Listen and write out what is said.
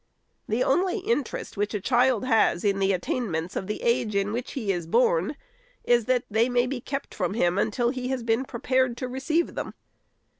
The only interest which a child has in the attainments of the age in which he is born, is, that they may be kept from him until ho lias been prepared to receive them.